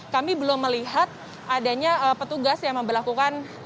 kami belum melihat adanya petugas yang memperlakukan